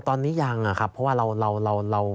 ตอนนี้ยังอะครับเพราะว่าเรา